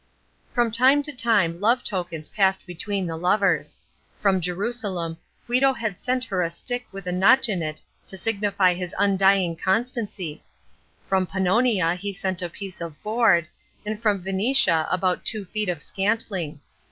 From time to time love tokens passed between the lovers. From Jerusalem Guido had sent to her a stick with a notch in it to signify his undying constancy. From Pannonia he sent a piece of board, and from Venetia about two feet of scantling.